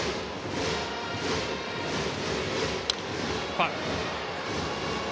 ファウル。